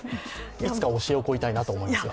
いつか教えを請いたいなと思いますが。